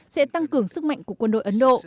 sẽ tăng cường sức mạnh của quân đội ấn độ